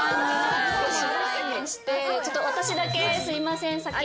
私だけすいません先に。